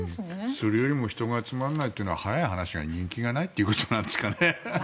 それよりも人が集まらないというのは早い話が人気がないということですかね。